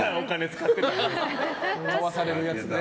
買わされるやつね。